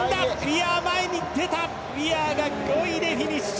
ウィアーが５位でフィニッシュ！